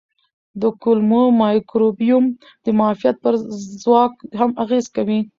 د کولمو مایکروبیوم د معافیت پر ځواک هم اغېز کوي.